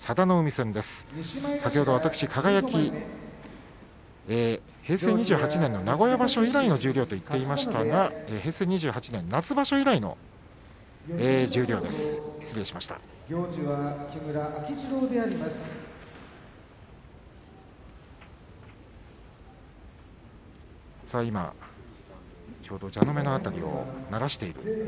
輝、先ほど平成２８年の名古屋場所以来の十両と言っていましたが平成２８年夏場所以来の十両です。